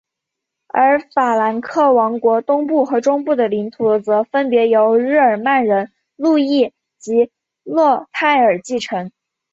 而法兰克王国东部和中部的领土则分别由日耳曼人路易及洛泰尔继承。